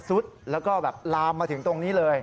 แล้วก็แบบลามมาถึงตรงนี้เลย